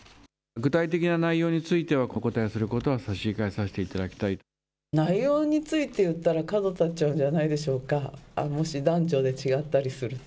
具体的な内容については、お答えすることは差し控えさせてい内容について言ったら、角が立っちゃうんじゃないでしょうか。